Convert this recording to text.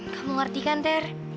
kamu ngerti kan ter